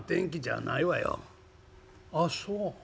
「あっそう。